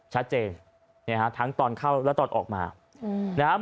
ชัดเจนเนี่ยฮะทั้งตอนเข้าแล้วตอนออกมาอืมนะฮะ